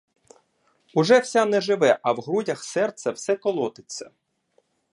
Уже вся неживе, а в грудях серце все колотиться.